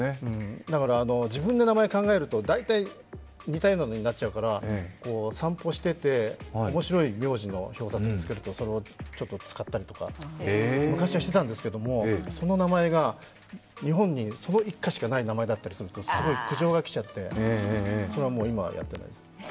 自分で名前を考えると、大体似たようなものになっちゃうから、散歩してて、面白い名字の表札を見つけると、それを使ったりとか、昔はしてたんですけれどもその名前が、日本にその一家しかない名前だったりするとすごい苦情が来ちゃってそれは今はもうやってないです。